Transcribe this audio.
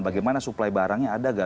bagaimana suplai barangnya ada nggak